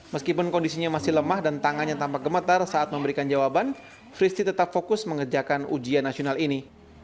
meskipun kondisinya masih lemah dan tangannya tampak gemetar saat memberikan jawaban fristie tetap fokus mengerjakan ujian nasional ini